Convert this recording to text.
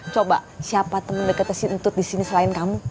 coba siapa temen deketnya si untut disini selain kamu